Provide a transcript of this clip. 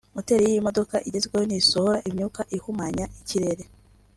Moteri y’iyi modoka igezweho ntisohora imyuka ihumanya ikirere